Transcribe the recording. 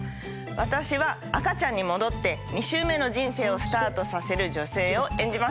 私は赤ちゃんに戻って２周目の人生をスタートさせる女性を演じます。